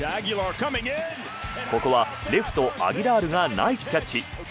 ここはレフト、アギラールがナイスキャッチ。